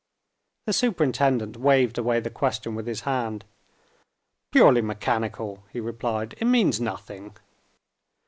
The superintendent waved away the question with his hand. "Purely mechanical," he replied. "It means nothing."